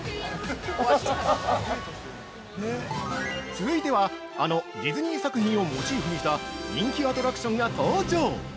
◆続いては、あのディズニー作品をモチーフにした人気アトラクションが登場！